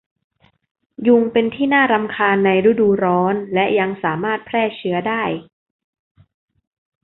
ยุงเป็นที่น่ารำคาญในฤดูร้อนและยังสามารถแพร่เชื้อได้